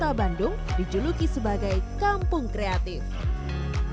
ya kegiatan kegiatan tersebutlah yang membuat kampung dago pojok di kelurahan dago kecamatan coblong kedudukan